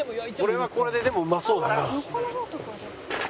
これはこれででもうまそうだな。